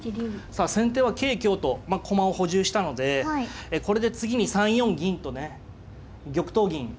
さあ先手は桂香と駒を補充したのでこれで次に３四銀とね玉頭銀。